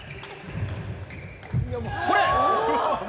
これ。